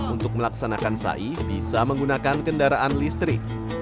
untuk melaksanakan syai bisa menggunakan kendaraan listrik